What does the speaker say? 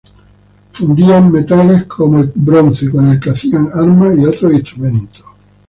Fundían metales como el bronce, con el que hacían armas y otros instrumentos.